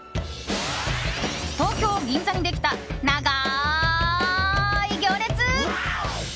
東京・銀座にできた長い行列！